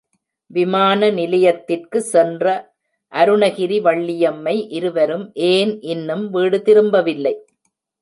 விமான நிலையத்திற்கு சென்ற அருணகிரி, வள்ளியம்மை இருவரும் ஏன் இன்னும் வீடு திரும்பவில்லை?